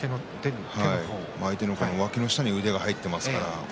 相手のわきの下に腕が入っています。